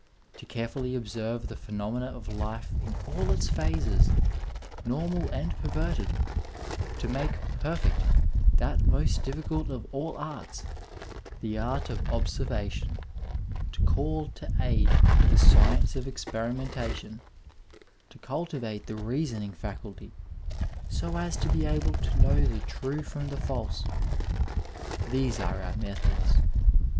To carefully observe the phenomena of life in all its phases, normal and perverted, to make perfect that 281 Digitized by Google CHAUVINISM IN MEDICINE most difficult of all arts, the art of observation, to call to aid the science of experiment ation, to cultivate the reason ing faculty, so as to be able to know the true from the false — ^these are our methods.